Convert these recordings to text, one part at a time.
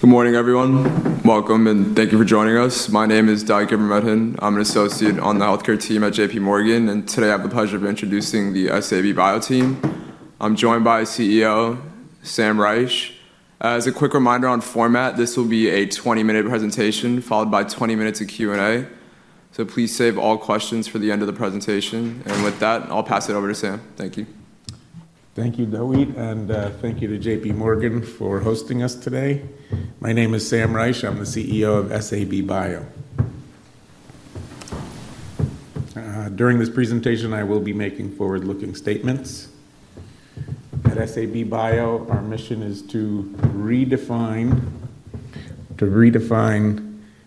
Good morning, everyone. Welcome, and thank you for joining us. My name is Doug Gibberdini. I'm an associate on the healthcare team at J.P. Morgan, and today I have the pleasure of introducing the SAB Bio team. I'm joined by Chief Executive Officer Sam Reich. As a quick reminder on format, this will be a 20-minute presentation followed by 20 minutes of Q&A, so please save all questions for the end of the presentation. And with that, I'll pass it over to Sam. Thank you. Thank you, David, and thank you to J.P. Morgan for hosting us today. My name is Sam Reich. I'm the Chief Executive Officer of SAB Bio. During this presentation, I will be making forward-looking statements. At SAB Bio, our mission is to redefine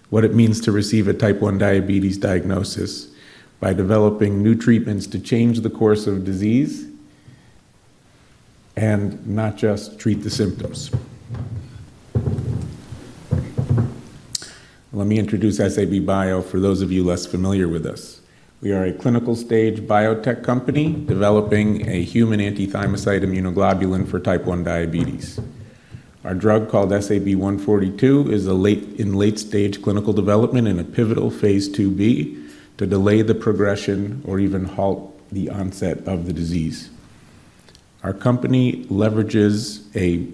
what it means to receive a type 1 diabetes diagnosis by developing new treatments to change the course of disease and not just treat the symptoms. Let me introduce SAB Bio for those of you less familiar with us. We are a clinical-stage biotech company developing a human anti-thymocyte immunoglobulin for type 1 diabetes. Our drug, called SAB-142, is in late-stage clinical development in a pivotal phase II-B to delay the progression or even halt the onset of the disease. Our company leverages a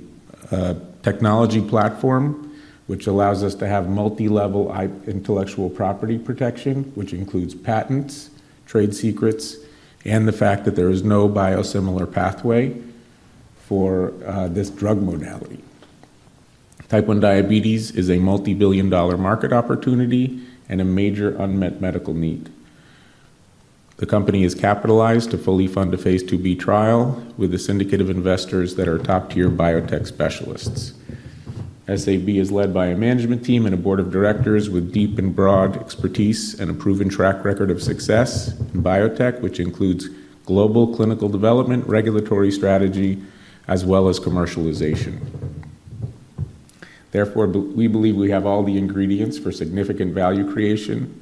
technology platform which allows us to have multi-level intellectual property protection, which includes patents, trade secrets, and the fact that there is no biosimilar pathway for this drug modality. Type 1 diabetes is a multi-billion-dollar market opportunity and a major unmet medical need. The company has capitalized to fully fund a phase II-B trial with a syndicate of investors that are top-tier biotech specialists. SAB is led by a management team and a board of directors with deep and broad expertise and a proven track record of success in biotech, which includes global clinical development, regulatory strategy, as well as commercialization. Therefore, we believe we have all the ingredients for significant value creation,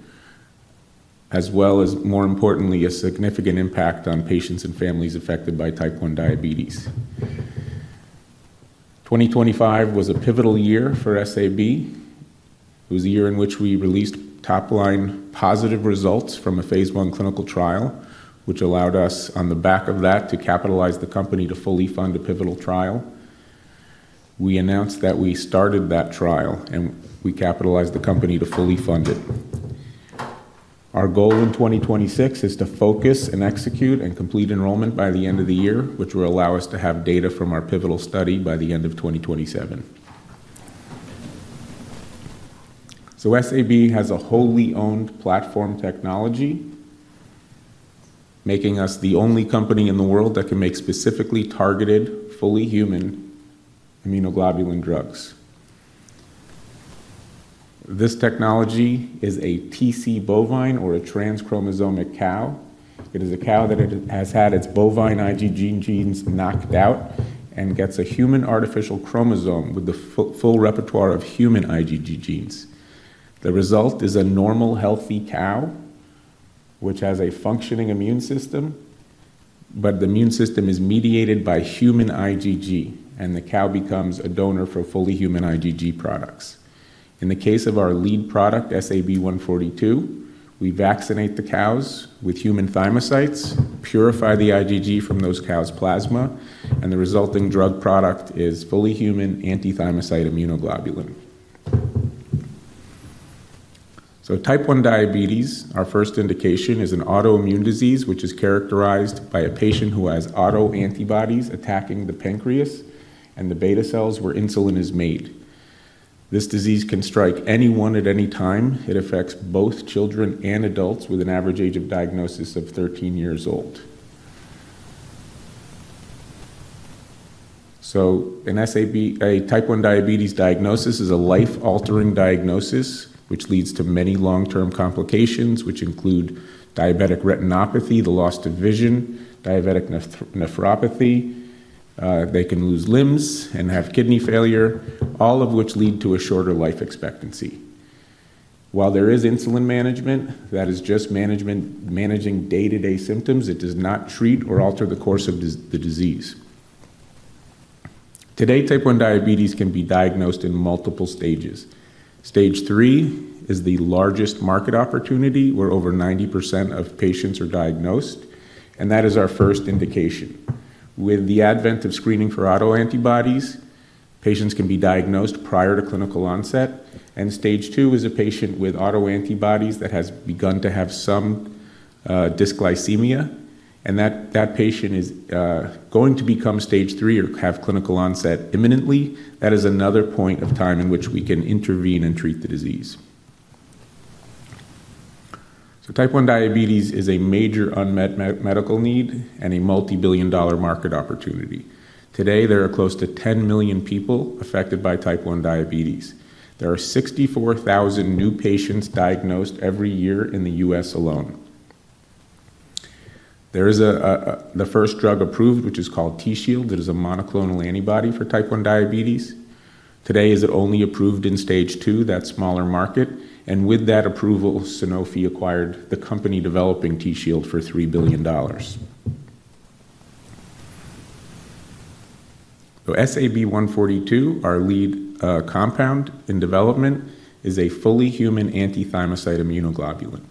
as well as, more importantly, a significant impact on patients and families affected by type 1 diabetes. 2025 was a pivotal year for SAB. It was a year in which we released top-line positive results from a phase I clinical trial, which allowed us, on the back of that, to capitalize the company to fully fund a pivotal trial. We announced that we started that trial, and we capitalized the company to fully fund it. Our goal in 2026 is to focus and execute and complete enrollment by the end of the year, which will allow us to have data from our pivotal study by the end of 2027. So SAB has a wholly-owned platform technology, making us the only company in the world that can make specifically targeted, fully human immunoglobulin drugs. This technology is a TC Bovine or a transchromosomic cow. It is a cow that has had its bovine IgG genes knocked out and gets a human artificial chromosome with the full repertoire of human IgG genes. The result is a normal, healthy cow which has a functioning immune system, but the immune system is mediated by human IgG, and the cow becomes a donor for fully human IgG products. In the case of our lead product, SAB-142, we vaccinate the cows with human thymocytes, purify the IgG from those cows' plasma, and the resulting drug product is fully human anti-thymocyte immunoglobulin. So type 1 diabetes, our first indication, is an autoimmune disease which is characterized by a patient who has autoantibodies attacking the pancreas and the beta cells where insulin is made. This disease can strike anyone at any time. It affects both children and adults with an average age of diagnosis of 13 years old. So a type 1 diabetes diagnosis is a life-altering diagnosis which leads to many long-term complications, which include diabetic retinopathy, the loss of vision, diabetic nephropathy. They can lose limbs and have kidney failure, all of which lead to a shorter life expectancy. While there is insulin management, that is just managing day-to-day symptoms. It does not treat or alter the course of the disease. Today, type 1 diabetes can be diagnosed in multiple stages. Stage 3 is the largest market opportunity where over 90% of patients are diagnosed, and that is our first indication. With the advent of screening for autoantibodies, patients can be diagnosed prior to clinical onset, and stage 2 is a patient with autoantibodies that has begun to have some dysglycemia, and that patient is going to become stage 3 or have clinical onset imminently. That is another point of time in which we can intervene and treat the disease. So type 1 diabetes is a major unmet medical need and a multi-billion-dollar market opportunity. Today, there are close to 10 million people affected by type 1 diabetes. There are 64,000 new patients diagnosed every year in the U.S. alone. There is the first drug approved, which is called Tzield. It is a monoclonal antibody for type 1 diabetes. Today, it is only approved in stage 2, that smaller market, and with that approval, Sanofi acquired the company developing Tzield for $3 billion. So SAB-142, our lead compound in development, is a fully human Anti-Thymocyte Immunoglobulin.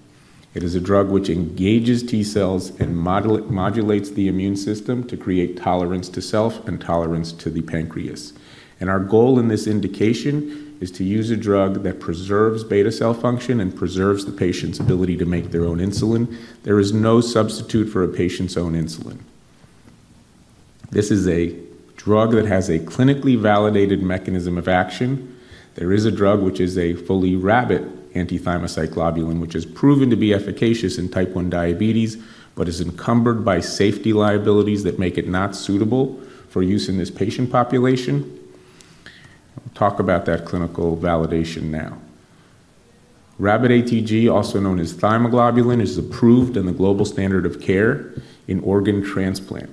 It is a drug which engages T cells and modulates the immune system to create tolerance to self and tolerance to the pancreas. And our goal in this indication is to use a drug that preserves beta cell function and preserves the patient's ability to make their own insulin. There is no substitute for a patient's own insulin. This is a drug that has a clinically validated mechanism of action. There is a drug which is a fully rabbit anti-thymocyte globulin, which has proven to be efficacious in type 1 diabetes but is encumbered by safety liabilities that make it not suitable for use in this patient population. I'll talk about that clinical validation now. Rabbit ATG, also known as Thymoglobulin, is approved in the global standard of care in organ transplant.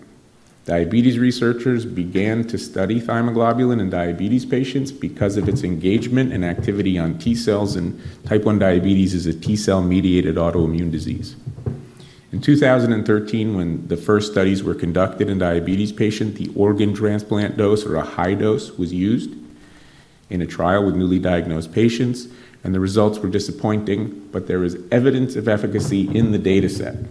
Diabetes researchers began to study Thymoglobulin in diabetes patients because of its engagement and activity on T cells, and type 1 diabetes is a T cell-mediated autoimmune disease. In 2013, when the first studies were conducted in diabetes patients, the organ transplant dose, or a high dose, was used in a trial with newly diagnosed patients, and the results were disappointing, but there is evidence of efficacy in the dataset.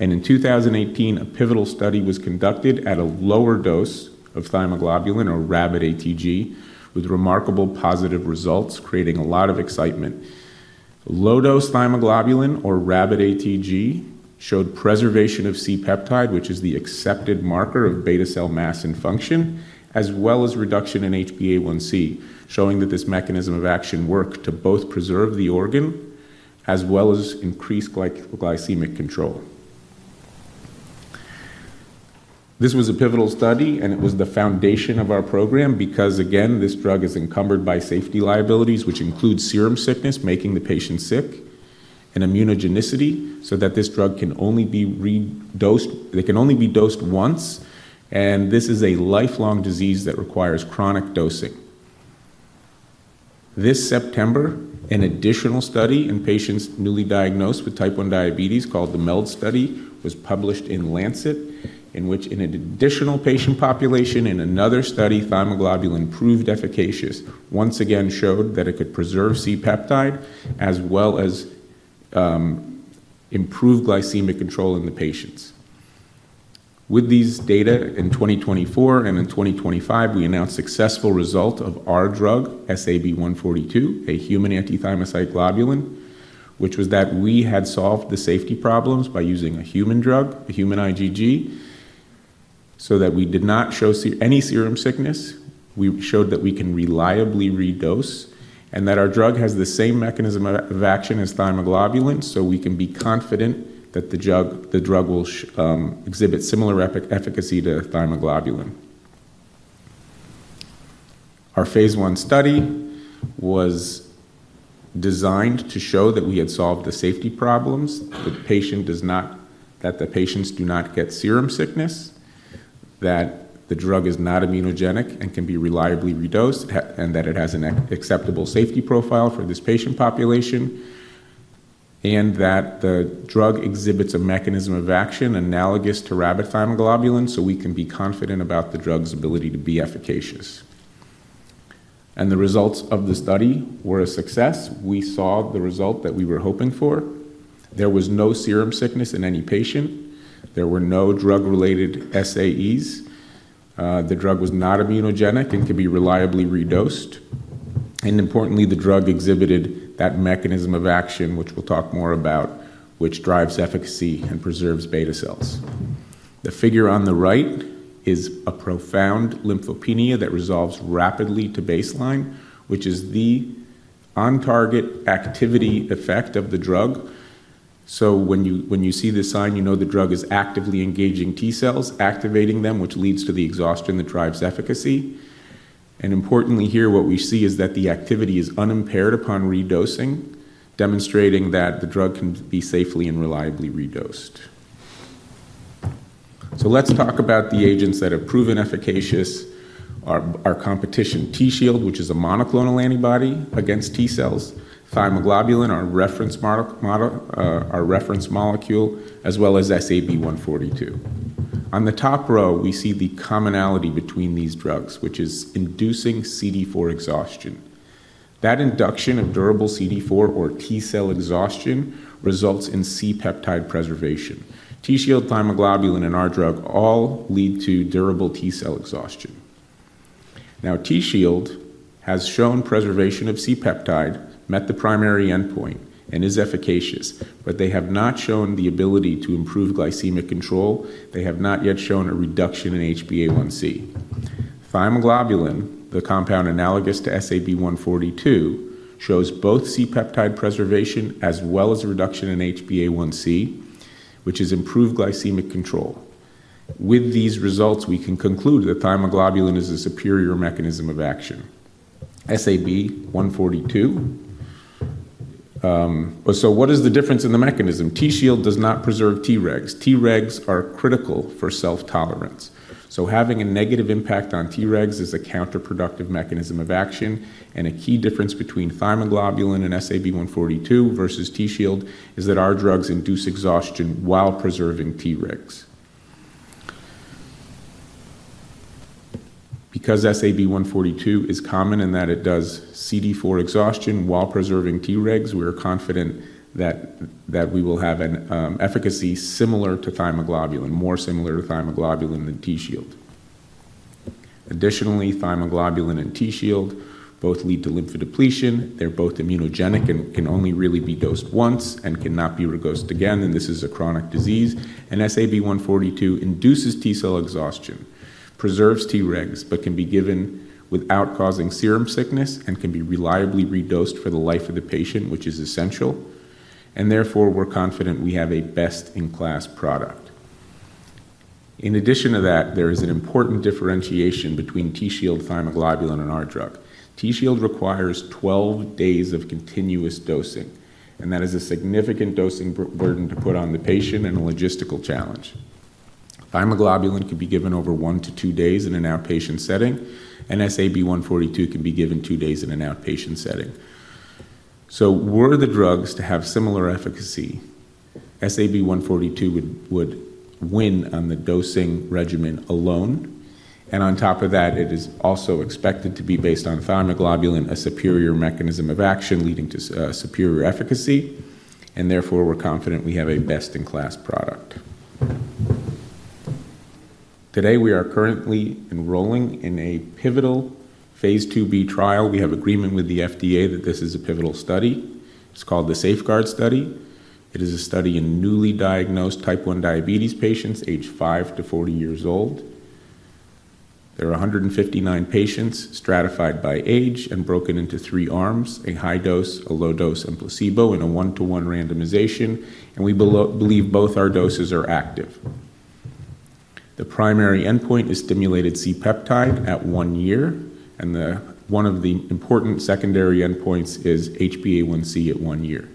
And in 2018, a pivotal study was conducted at a lower dose of Thymoglobulin, or rabbit ATG, with remarkable positive results, creating a lot of excitement. Low-dose Thymoglobulin, or rabbit ATG, showed preservation of C-peptide, which is the accepted marker of beta cell mass and function, as well as reduction in HbA1c, showing that this mechanism of action worked to both preserve the organ as well as increase glycemic control. This was a pivotal study, and it was the foundation of our program because, again, this drug is encumbered by safety liabilities, which include serum sickness, making the patient sick, and immunogenicity, so that this drug can only be dosed once, and this is a lifelong disease that requires chronic dosing. This September, an additional study in patients newly diagnosed with Type 1 diabetes, called the MELD study, was published in The Lancet, in which an additional patient population and another study, Thymoglobulin, proved efficacious. Once again, it showed that it could preserve C-peptide as well as improve glycemic control in the patients. With these data, in 2024 and in 2025, we announced a successful result of our drug, SAB-142, a human anti-thymocyte globulin, which was that we had solved the safety problems by using a human drug, a human IgG, so that we did not show any serum sickness. We showed that we can reliably redose and that our drug has the same mechanism of action as Thymoglobulin, so we can be confident that the drug will exhibit similar efficacy to Thymoglobulin. Our phase I study was designed to show that we had solved the safety problems, that the patients do not get serum sickness, that the drug is not immunogenic and can be reliably redosed, and that it has an acceptable safety profile for this patient population, and that the drug exhibits a mechanism of action analogous to rabbit Thymoglobulin, so we can be confident about the drug's ability to be efficacious. The results of the study were a success. We saw the result that we were hoping for. There was no serum sickness in any patient. There were no drug-related SAEs. The drug was not immunogenic and could be reliably redosed. Importantly, the drug exhibited that mechanism of action, which we'll talk more about, which drives efficacy and preserves beta cells. The figure on the right is a profound lymphopenia that resolves rapidly to baseline, which is the on-target activity effect of the drug. So when you see this sign, you know the drug is actively engaging T cells, activating them, which leads to the exhaustion that drives efficacy. And importantly, here, what we see is that the activity is unimpaired upon redosing, demonstrating that the drug can be safely and reliably redosed. So let's talk about the agents that have proven efficacious: our competition, Tzield, which is a monoclonal antibody against T cells, Thymoglobulin, our reference molecule, as well as SAB-142. On the top row, we see the commonality between these drugs, which is inducing CD4 exhaustion. That induction of durable CD4, or T cell exhaustion, results in C-peptide preservation. Tzield, Thymoglobulin, and our drug all lead to durable T cell exhaustion. Now, Tzield has shown preservation of C-peptide, met the primary endpoint, and is efficacious, but they have not shown the ability to improve glycemic control. They have not yet shown a reduction in HbA1C. Thymoglobulin, the compound analogous to SAB-142, shows both C-peptide preservation as well as a reduction in HbA1C, which has improved glycemic control. With these results, we can conclude that thymoglobulin is a superior mechanism of action. SAB-142. So what is the difference in the mechanism? Tzield does not preserve Tregs. Tregs are critical for self-tolerance. So having a negative impact on Tregs is a counterproductive mechanism of action, and a key difference between thymoglobulin and SAB-142 versus Tzield is that our drugs induce exhaustion while preserving Tregs. Because SAB-142 is common in that it does CD4 exhaustion while preserving Tregs, we are confident that we will have an efficacy similar to Thymoglobulin, more similar to Thymoglobulin than Tzield. Additionally, Thymoglobulin and Tzield both lead to lymphodepletion. They're both immunogenic and can only really be dosed once and cannot be redosed again, and this is a chronic disease, and SAB-142 induces T cell exhaustion, preserves Tregs, but can be given without causing serum sickness and can be reliably redosed for the life of the patient, which is essential, and therefore, we're confident we have a best-in-class product. In addition to that, there is an important differentiation between Tzield, Thymoglobulin, and our drug. Tzield requires 12 days of continuous dosing, and that is a significant dosing burden to put on the patient and a logistical challenge. Thymoglobulin can be given over one to two days in an outpatient setting, and SAB-142 can be given two days in an outpatient setting. So were the drugs to have similar efficacy, SAB-142 would win on the dosing regimen alone, and on top of that, it is also expected to be, based on thymoglobulin, a superior mechanism of action leading to superior efficacy, and therefore, we're confident we have a best-in-class product. Today, we are currently enrolling in a pivotal phase II-B trial. We have agreement with the FDA that this is a pivotal study. It's called the SafeGUARD study. It is a study in newly diagnosed type 1 diabetes patients, age five to 40 years old. There are 159 patients stratified by age and broken into three arms: a high dose, a low dose, and placebo in a one-to-one randomization, and we believe both our doses are active. The primary endpoint is stimulated C-peptide at one year, and one of the important secondary endpoints is HbA1C at one year.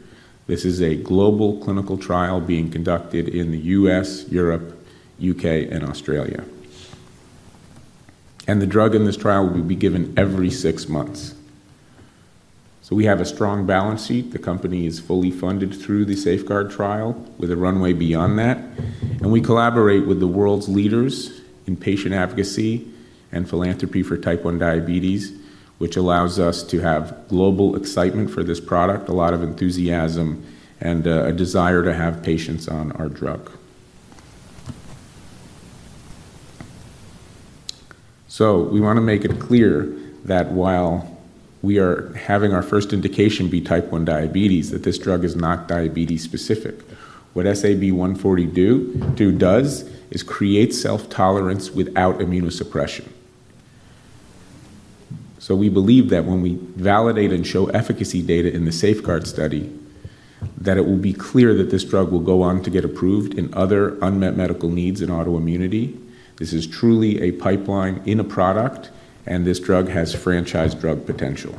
This is a global clinical trial being conducted in the U.S., Europe, U.K., and Australia. And the drug in this trial will be given every six months. So we have a strong balance sheet. The company is fully funded through the SAFEGUARD trial with a runway beyond that, and we collaborate with the world's leaders in patient advocacy and philanthropy for type 1 diabetes, which allows us to have global excitement for this product, a lot of enthusiasm, and a desire to have patients on our drug. So we want to make it clear that while we are having our first indication be Type 1 diabetes, that this drug is not diabetes-specific. What SAB-142 does is create self-tolerance without immunosuppression. So we believe that when we validate and show efficacy data in the SafeGUARD study, that it will be clear that this drug will go on to get approved in other unmet medical needs and autoimmunity. This is truly a pipeline in a product, and this drug has franchise drug potential.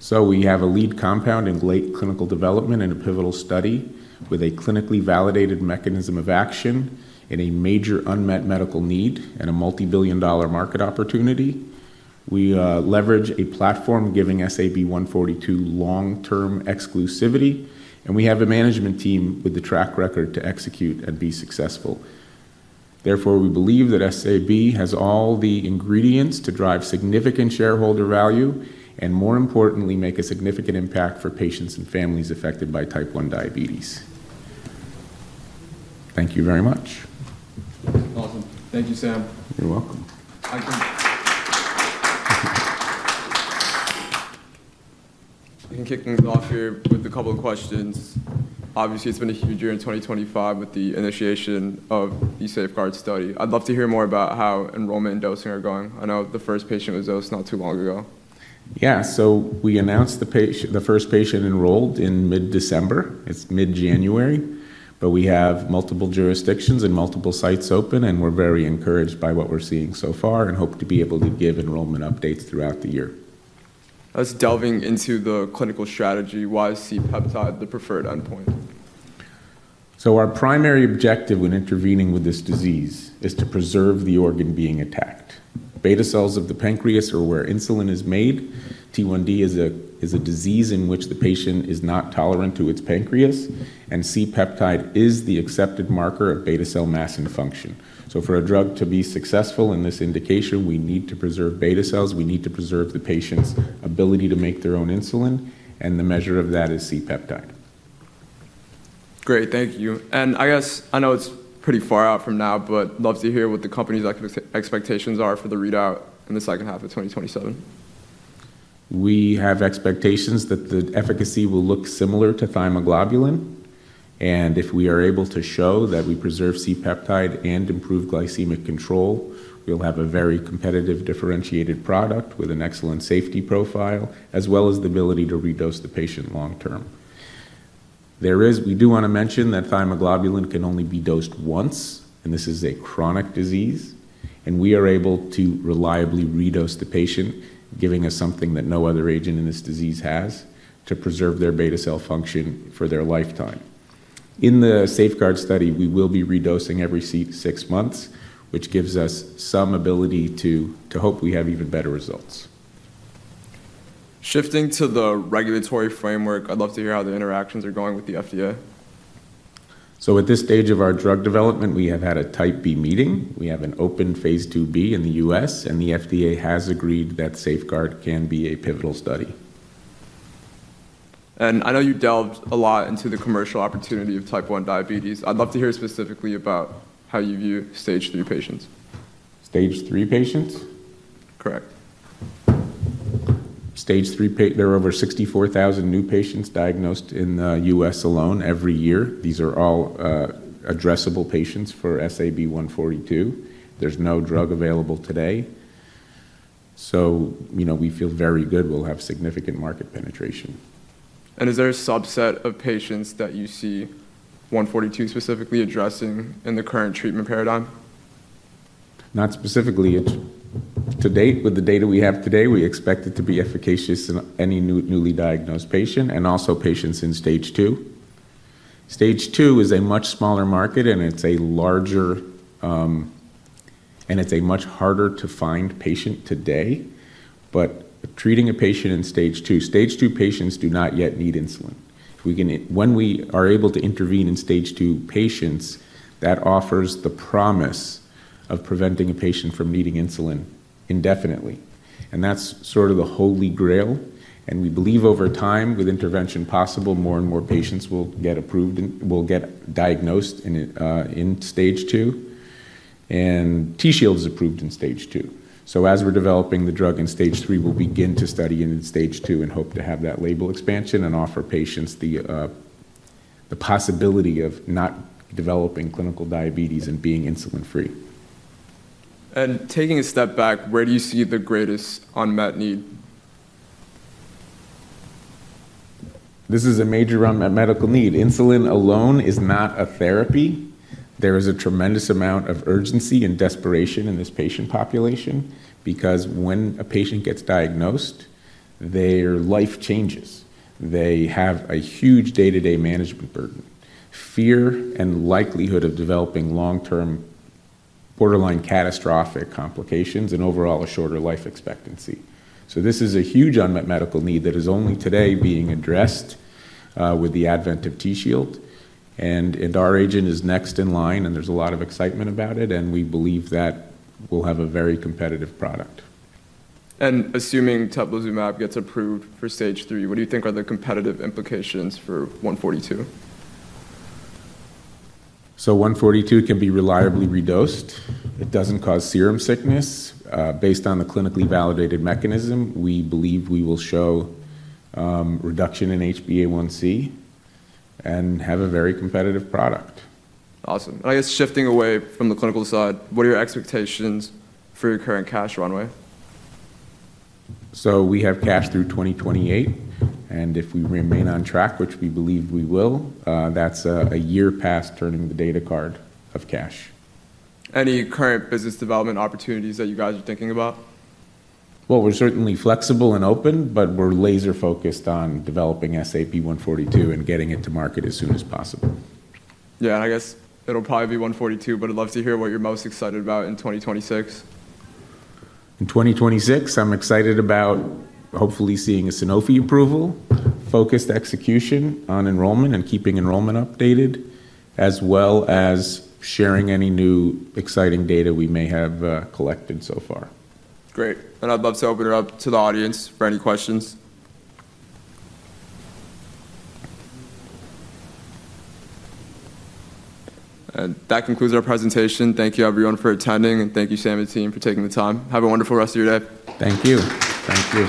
So we have a lead compound in late clinical development and a pivotal study with a clinically validated mechanism of action in a major unmet medical need and a multi-billion-dollar market opportunity. We leverage a platform giving SAB-142 long-term exclusivity, and we have a management team with the track record to execute and be successful. Therefore, we believe that SAB has all the ingredients to drive significant shareholder value and, more importantly, make a significant impact for patients and families affected by type 1 diabetes. Thank you very much. Awesome. Thank you, Sam. You're welcome. I can kick things off here with a couple of questions. Obviously, it's been a huge year in 2025 with the initiation of the SafeGUARD study. I'd love to hear more about how enrollment and dosing are going. I know the first patient was dosed not too long ago. Yeah, so we announced the first patient enrolled in mid-December. It's mid-January, but we have multiple jurisdictions and multiple sites open, and we're very encouraged by what we're seeing so far and hope to be able to give enrollment updates throughout the year. Let's delve into the clinical strategy. Why is C-peptide the preferred endpoint? Our primary objective when intervening with this disease is to preserve the organ being attacked. Beta cells of the pancreas are where insulin is made. T1D is a disease in which the patient is not tolerant to its pancreas, and C-peptide is the accepted marker of beta cell mass and function. For a drug to be successful in this indication, we need to preserve beta cells. We need to preserve the patient's ability to make their own insulin, and the measure of that is C-peptide. Great. Thank you. And I guess I know it's pretty far out from now, but I'd love to hear what the company's expectations are for the readout in the second half of 2027. We have expectations that the efficacy will look similar to Thymoglobulin, and if we are able to show that we preserve C-peptide and improve glycemic control, we'll have a very competitive differentiated product with an excellent safety profile as well as the ability to redose the patient long-term. We do want to mention that Thymoglobulin can only be dosed once, and this is a chronic disease, and we are able to reliably redose the patient, giving us something that no other agent in this disease has, to preserve their beta cell function for their lifetime. In the SafeGUARD study, we will be redosing every six months, which gives us some ability to hope we have even better results. Shifting to the regulatory framework, I'd love to hear how the interactions are going with the FDA. So at this stage of our drug development, we have had a Type B meeting. We have an open phase II-B in the U.S., and the FDA has agreed that SafeGUARD can be a pivotal study. I know you delved a lot into the commercial opportunity of type 1 diabetes. I'd love to hear specifically about how you view stage 3 patients. Stage 3 patients? Correct. Stage 3, there are over 64,000 new patients diagnosed in the U.S. alone every year. These are all addressable patients for SAB-142. There's no drug available today. So we feel very good. We'll have significant market penetration. Is there a subset of patients that you see SAB-142 specifically addressing in the current treatment paradigm? Not specifically. To date, with the data we have today, we expect it to be efficacious in any newly diagnosed patient and also patients in Stage 2. Stage 2 is a much smaller market, and it's a larger and it's a much harder-to-find patient today. But treating a patient in Stage 2, Stage 2 patients do not yet need insulin. When we are able to intervene in Stage 2 patients, that offers the promise of preventing a patient from needing insulin indefinitely, and that's sort of the Holy Grail. We believe over time, with intervention possible, more and more patients will get approved and will get diagnosed in Stage 2, and Tzield is approved in Stage 2. So as we're developing the drug in Stage 3, we'll begin to study it in Stage 2 and hope to have that label expansion and offer patients the possibility of not developing clinical diabetes and being insulin-free. Taking a step back, where do you see the greatest unmet need? This is a major unmet medical need. Insulin alone is not a therapy. There is a tremendous amount of urgency and desperation in this patient population because when a patient gets diagnosed, their life changes. They have a huge day-to-day management burden, fear and likelihood of developing long-term borderline catastrophic complications, and overall a shorter life expectancy, so this is a huge unmet medical need that is only today being addressed with the advent of Tzield, and our agent is next in line, and there's a lot of excitement about it, and we believe that we'll have a very competitive product. Assuming Teplizumab gets approved for stage 3, what do you think are the competitive implications for 142? So 142 can be reliably redosed. It doesn't cause serum sickness. Based on the clinically validated mechanism, we believe we will show reduction in HbA1C and have a very competitive product. Awesome. And I guess shifting away from the clinical side, what are your expectations for your current cash runway? So we have cash through 2028, and if we remain on track, which we believe we will, that's a year past the data readout. Any current business development opportunities that you guys are thinking about? We're certainly flexible and open, but we're laser-focused on developing SAB-142 and getting it to market as soon as possible. Yeah. And I guess it'll probably be 142, but I'd love to hear what you're most excited about in 2026. In 2026, I'm excited about hopefully seeing a Sanofi approval, focused execution on enrollment and keeping enrollment updated, as well as sharing any new exciting data we may have collected so far. Great, and I'd love to open it up to the audience for any questions, and that concludes our presentation. Thank you, everyone, for attending, and thank you, Sam and team, for taking the time. Have a wonderful rest of your day. Thank you. Thank you.